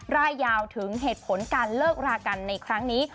รายยาวถึงเหตุผลการเลิกรากันในครั้งนี้